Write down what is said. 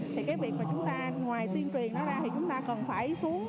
thì cái việc mà chúng ta ngoài tuyên truyền nó ra thì chúng ta cần phải xuống